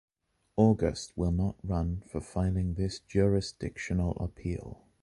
August will not run for filing this jurisdictional appeal.